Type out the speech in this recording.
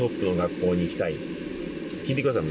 聞いてください。